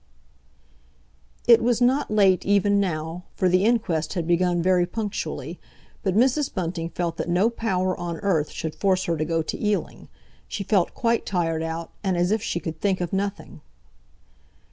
It was not late even now, for the inquest had begun very punctually, but Mrs. Bunting felt that no power on earth should force her to go to Ealing. She felt quite tired out and as if she could think of nothing.